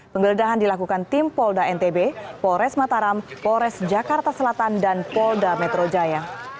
penggeledahan dilakukan tim polda ntb polres mataram polres jakarta selatan dan polda metro jaya